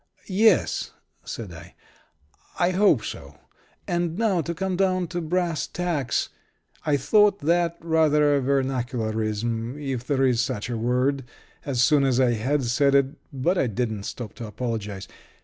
"Yes," said I. "I hope so. And now to come down to brass tacks." I thought that rather a vernacularism, if there is such a word, as soon as I had said it; but I didn't stop to apologize.